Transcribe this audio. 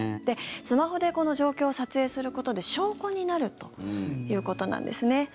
スマホでこの状況を撮影することで証拠になるということなんですね。